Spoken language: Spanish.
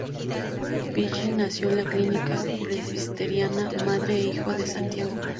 Peggy nació en la Clínica Presbiteriana Madre e Hijo de Santiago.